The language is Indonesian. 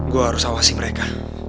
gue harus awasi mereka